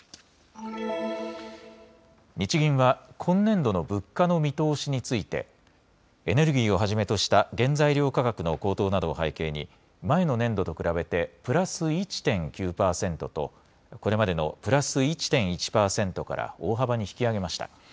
日銀は今年度の物価の見通しについてエネルギーをはじめとした原材料価格の高騰などを背景に前の年度と比べてプラス１．９％とこれまでのプラス１．１％から大幅に引き上げました。